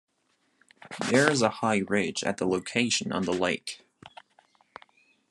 There is a high ridge at the location on the lake.